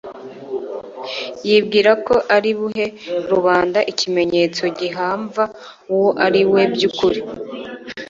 yibwira ko ari buhe rubanda ikimenyetso gihamva uwo ari we by'ukuri.